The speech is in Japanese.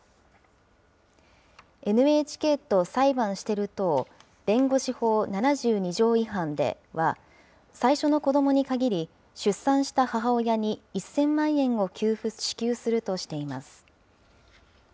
ＮＨＫと裁判してる党弁護士法７２条違反では、最初の子どもに限り、出産した母親に１０００万円を支給するとしています。